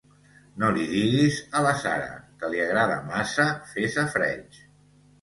No li diguis a la Sara, que li agrada massa fer safareig.